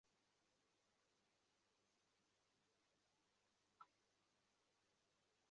প্রতিবেদন অনুসারে সংবাদে অন্তর্ভুক্ত নারীদের পেশা চিহ্নিত করার ক্ষেত্রে দুর্বলতা লক্ষ্য করা গেছে।